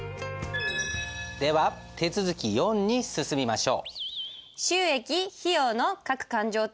では手続き４に進みましょう。